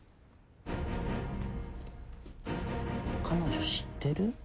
彼女知ってる？